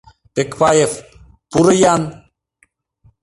— Пекпаев, пуро-ян!